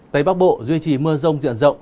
tây bắc bộ duy trì mưa rông diện rộng